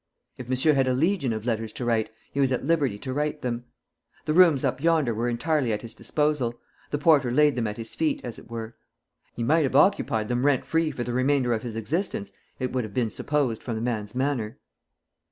If monsieur had a legion of letters to write, he was at liberty to write them. The rooms up yonder were entirely at his disposal; the porter laid them at his feet, as it were. He might have occupied them rent free for the remainder of his existence, it would have been supposed from the man's manner.